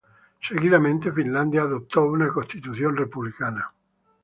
Seguidamente Finlandia adoptó una constitución republicana.